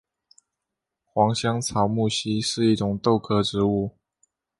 黄香草木樨是一种豆科植物。